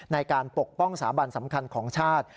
ในการปกป้องสาบันสำคัญของชาติ